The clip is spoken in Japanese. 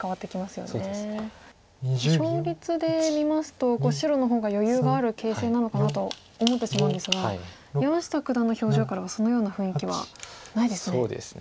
勝率で見ますと白の方が余裕がある形勢なのかなと思ってしまうんですが山下九段の表情からはそのような雰囲気はないですね。